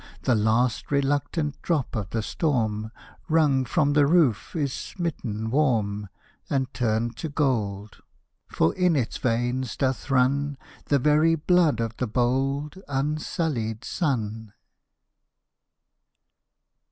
The last reluctant drop of the storm, Wrung from the roof, is smitten warm And turned to gold; For in its veins doth run The very blood of the bold, unsullied sun!